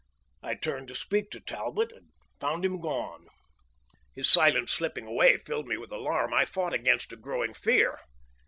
I turned to speak to Talbot and found him gone. His silent slipping away filled me with alarm. I fought against a growing fear.